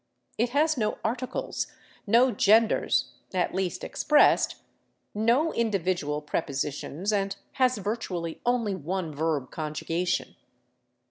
It has no articles, no genders (at least expressed), no individual prepositions, and has virtually only one verb conjugation.